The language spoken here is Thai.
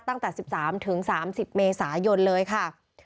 ตั้งแต่๑๓๓๐เมษายนเลยค่ะ